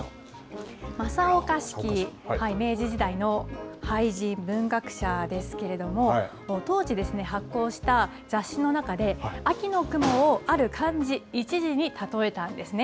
正岡子規、明治時代の俳人、文学者ですけれども、当時、発行した雑誌の中で、秋の雲をある漢字１字に例えたんですね。